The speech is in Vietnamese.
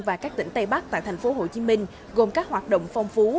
và các tỉnh tây bắc tại thành phố hồ chí minh gồm các hoạt động phong phú